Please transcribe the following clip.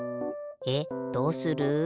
えっどうする？